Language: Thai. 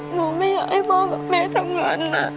หนูไม่อยากให้พากับแม่ทำงานละ